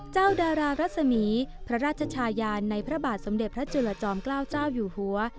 ดารารัศมีพระราชชายานในพระบาทสมเด็จพระจุลจอมเกล้าเจ้าอยู่หัว